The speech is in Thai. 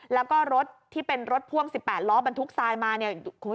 แล้วก็รถที่เป็นรถพ่วง๑๘ล้อบรรทุกทรายมาเนี่ย